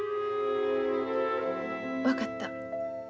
分かった。